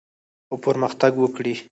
او پرمختګ وکړي